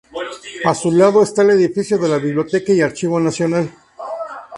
A su lado está el edificio de la Biblioteca y Archivo Nacional.